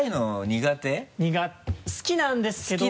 苦手好きなんですけど。